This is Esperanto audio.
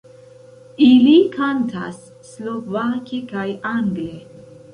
Ili kantas slovake kaj angle.